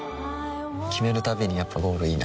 決めるたびにやっぱゴールいいなってふん